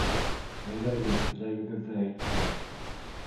Әйҙәгеҙ, теләгегеҙҙе әйтегеҙ.